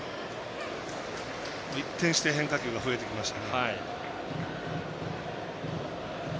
一転して変化球が増えてきました。